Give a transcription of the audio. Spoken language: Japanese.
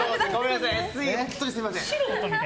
ＳＥ、本当にすみません。